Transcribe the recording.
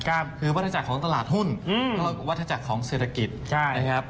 คือวัฒนาจักรของตลาดหุ้นวัฒนาจักรของเศรษฐกิจ